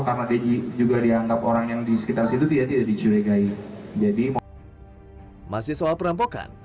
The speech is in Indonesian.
karena dia juga dianggap orang yang di sekitar situ tidak diculikai jadi masih soal perampokan